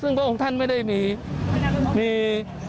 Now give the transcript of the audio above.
ซึ่งเพราะของท่านไม่ได้มี